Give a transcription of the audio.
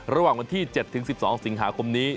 ระหว่างวันที่๗๑๒สิงหาคมนี้